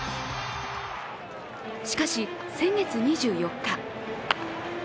しかし、先月２４日。